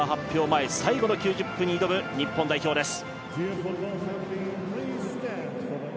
前最後の９０分に挑む日本代表です。